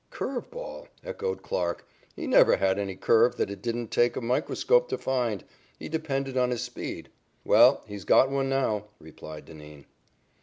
"Curve ball," echoed Clarke. "He never had any curve that it didn't take a microscope to find. He depended on his speed." "Well, he's got one now," replied Dineen.